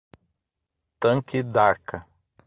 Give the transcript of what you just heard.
Tanque d'Arca